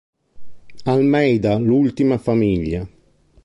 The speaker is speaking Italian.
Almeida: L'ultima famiglia.